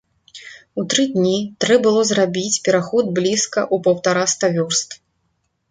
У тры дні трэ было зрабіць пераход блізка ў паўтараста вёрст.